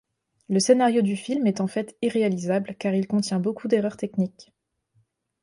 Le scénario du film est en fait irréalisable car il contient beaucoup d'erreurs techniques.